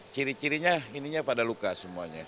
ciri cirinya ininya pada luka semuanya